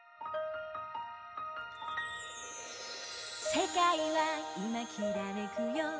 「世界はいまきらめくよ」